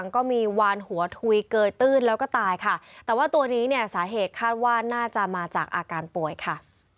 ก็มีวานหัวทุยเกยตื้นแล้วก็ตายค่ะแต่ว่าตัวนี้เนี่ยสาเหตุคาดว่าน่าจะมาจากอาการป่วยค่ะ